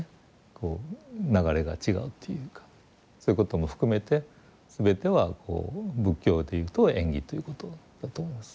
こう流れが違うというかそういうことも含めて全ては仏教で言うと縁起ということだと思います。